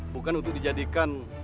bukan untuk dijadikan